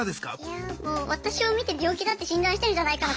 いやあもう私を診て病気だって診断してんじゃないかな